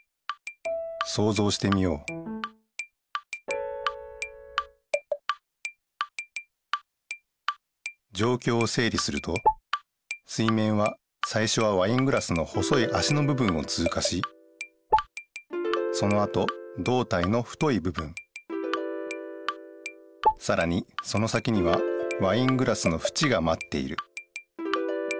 そうぞうしてみようじょうきょうをせい理すると水面はさいしょはワイングラスの細いあしのぶ分をつうかしそのあとどうたいの太いぶ分さらにその先にはワイングラスのふちがまっている